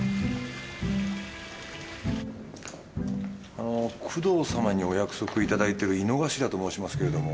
あのう工藤様にお約束いただいてる井之頭と申しますけれども。